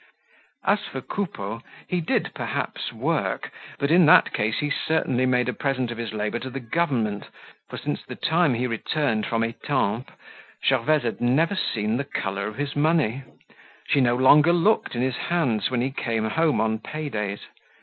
As for Coupeau, he did perhaps work, but in that case he certainly made a present of his labor to the Government, for since the time he returned from Etampes Gervaise had never seen the color of his money. She no longer looked in his hands when he came home on paydays.